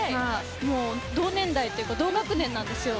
同年代というか同学年なんです。